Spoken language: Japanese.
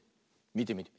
みてみて。